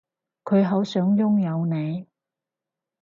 佢好想擁有你